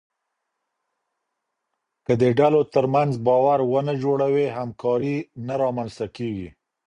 که د ډلو ترمنځ باور ونه جوړوې، همکاري نه رامنځته کېږي.